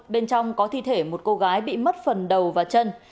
bên trong có thi thể một cô gái bị mất phần đầu và chân